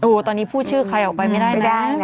โอ้โหตอนนี้พูดชื่อใครออกไปไม่ได้นะไม่ได้นะ